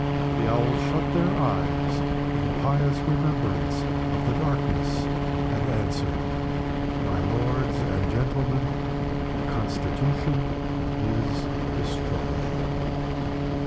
the Owls shut their eyes in pious remembrance of the darkness, and answered, "My lords and gentlemen, the Constitution is destroyed!"